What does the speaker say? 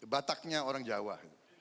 bataknya orang jawa